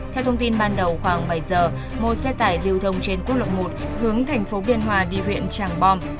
theo thông tin ban đầu khoảng bảy giờ một xe tải lưu thông trên quốc lộ một hướng thành phố biên hòa đi huyện tràng bom